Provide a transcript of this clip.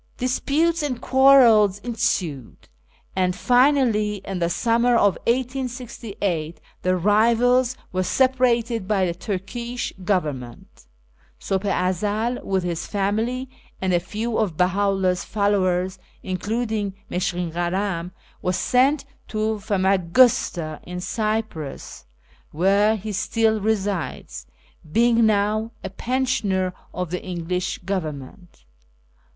Disputes and quarrels ensued, and finally, in the summer of 1868, the rivals were separated by the Turkish Government. Sulh i Ezel, with his family and a few of BeJui' \i lUili s followers, including MusKkin Kalam, was sent to Famagusta, in Cyprus, where he still resides, being now a pensioner of the English Government.